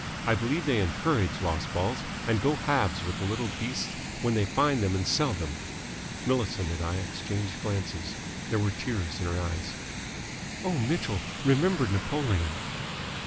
I believe they encourage lost balls, and go halves with the little beasts when they find them and sell them!" Millicent and I exchanged glances. There were tears in her eyes. "Oh, Mitchell! Remember Napoleon!"